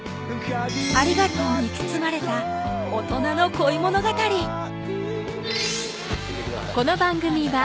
ありがとうに包まれた大人の恋物語さぁ